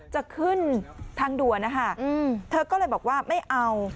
จะขึ้นทางด่วนนะคะเธอก็เลยบอกว่าไม่เอา